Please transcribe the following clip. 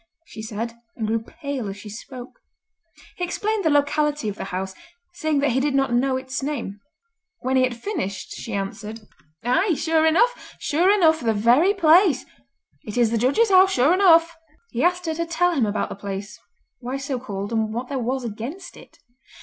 she said, and grew pale as she spoke. He explained the locality of the house, saying that he did not know its name. When he had finished she answered: "Aye, sure enough—sure enough the very place! It is the Judge's House sure enough." He asked her to tell him about the place, why so called, and what there was against it.